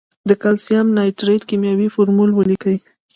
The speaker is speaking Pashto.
د کلسیم نایتریت کیمیاوي فورمول ولیکئ.